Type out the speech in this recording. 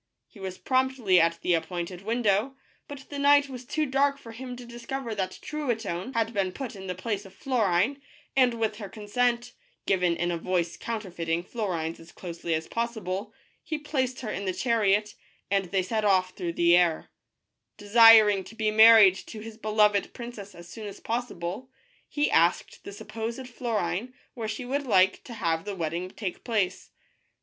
He was promptly at the appointed window, but the night was too dark for him to discover that Truitonne had been put in the place of Florine, and with her consent, given in a voice coun terfeiting Florine's as closely as possible, he placed her in the chariot, and they Desiring to be married soon as possible, he asked set off through the air. to his beloved princess as the supposed Florine where she would like to have the wedding take place.